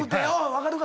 「分かるか？